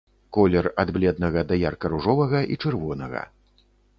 Колер ад бледнага да ярка ружовага і чырвонага.